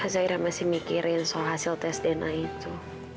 zahira masih mikirin soal hasil tes dna itu